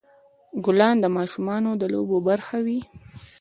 ګلان د ماشومانو د لوبو برخه وي.